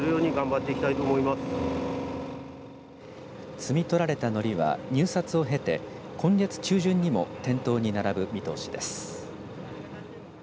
摘み取られたのりは入札を経て今月中旬にも店頭に並ぶ見通しです。